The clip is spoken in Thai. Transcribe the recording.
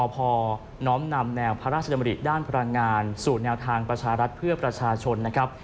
พน้อมนำแนวพระราชดำริด้านพลังงานสู่แนวทางประชารัฐเพื่อประชาชนนะครับ